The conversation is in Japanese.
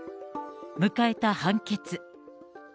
迎えた判決。